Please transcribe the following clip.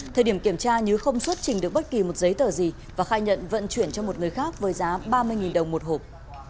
thời điểm kiểm tra nhứ không xuất trình được bất kỳ một giấy tờ gì và khai nhận vận chuyển cho một người khác với giá ba mươi đồng một hộp